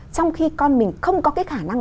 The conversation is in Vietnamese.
trong khi con mình không có cái khả năng